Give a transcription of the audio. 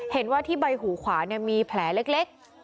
เห็นว่าที่ใบหูขวามีแผลเล็ก